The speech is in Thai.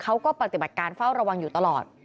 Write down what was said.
ปฏิบัติการเฝ้าระวังอยู่ตลอด